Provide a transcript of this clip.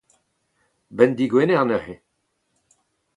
'Benn digwener, neuze.